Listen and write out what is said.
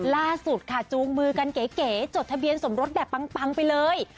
ล่าสุดค่ะจูงมือกันเก๋จดทะเบียนสมรสแบบปังไปเลย